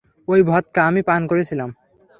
ওই ভদকা আমি পান করেছিলাম।